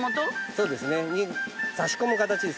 そうですね差し込む形ですね。